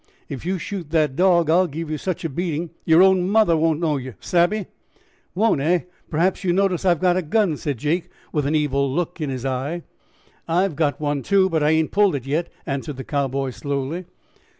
"If you shoot that dog I'll give you such a beating yer own mother won't know yer. Sabby?" "Won't, hey? Perhaps you notice I've got a gun?" said Jake, with an evil look in his eyes. "I've got one, too, but I ain't pulled it yet," answered the Cowboy slowly.